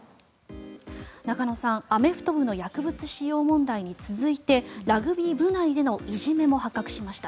中野さん、アメフト部の薬物使用問題に続いてラグビー部内でのいじめも発覚しました。